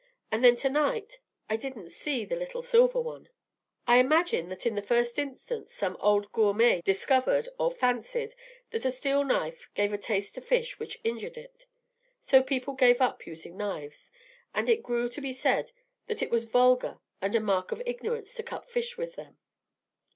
And then to night I didn't see the little silver one " "I imagine that in the first instance some old gourmet discovered or fancied that a steel knife gave a taste to fish which injured it. So people gave up using knives, and it grew to be said that it was vulgar and a mark of ignorance to cut fish with them.